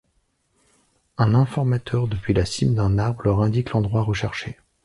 Un informateur depuis la cime d’un arbre leur indique l’endroit recherché.